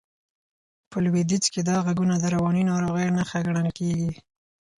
په لوېدیځ کې دا غږونه د رواني ناروغۍ نښه ګڼل کېږي.